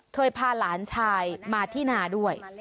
เคยพาหลานชายมาที่นาด้วย